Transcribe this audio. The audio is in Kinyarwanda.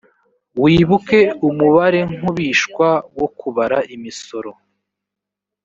wibuka umubarenkubishwa wo kubara imisoro‽